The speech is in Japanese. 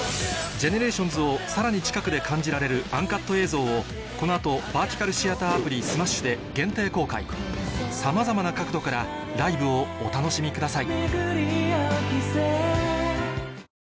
ＧＥＮＥＲＡＴＩＯＮＳをさらに近くで感じられるＵＮＣＵＴ映像をこの後バーティカルシアターアプリさまざまな角度からライブをお楽しみください